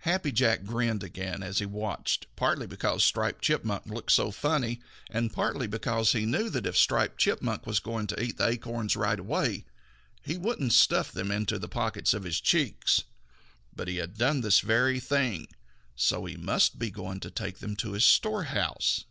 Happy Jack grinned again as he watched, partly because Striped Chipmunk looked so funny, and partly because he knew that if Striped Chipmunk was going to eat the acorns right away, he wouldn't stuff them into the pockets in his cheeks. But he had done this very thing, and so he must be going to take them to his storehouse.